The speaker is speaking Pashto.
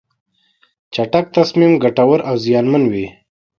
چټک تصمیم ګټور او زیانمن وي.